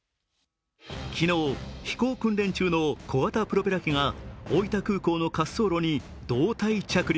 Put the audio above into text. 昨日、飛行訓練中の小型プロペラ機が大分空港の滑走路に胴体着陸。